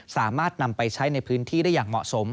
สามารถนำไปใช้ในพื้นที่ได้อย่างเหมาะสม